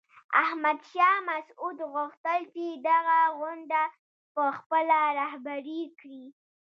احمد شاه مسعود غوښتل چې دغه غونډه په خپله رهبري کړي.